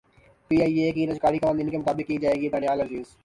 P I A کی نجکاری قوانین کے مطابق کی جائے گی دانیال عزیز